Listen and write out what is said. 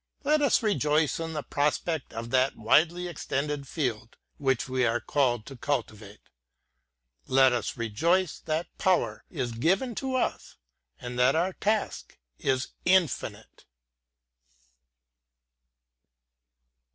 Let us rejoice in the prospect of that widely extended field which we are called to cultivate! Let us rejoice that power is given to us. and that our task is infinite!